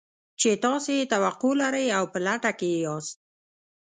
چې تاسې يې توقع لرئ او په لټه کې يې ياست.